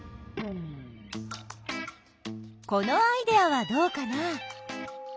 このアイデアはどうかな？